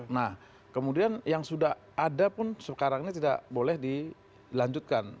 nah kemudian yang sudah ada pun sekarang ini tidak boleh dilanjutkan